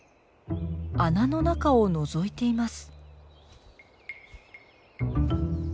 穴の中をのぞいています。